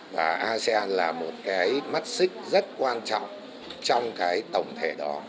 và asean là một cái mắt xích rất quan trọng trong cái tổng thể đó